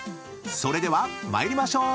［それでは参りましょう］